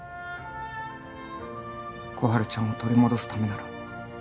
心春ちゃんを取り戻すためなら